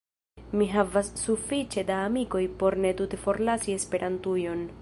Mi havas sufiĉe da amikoj por ne tute forlasi Esperantujon.